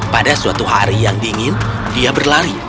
pada suatu hari yang dingin dia berlari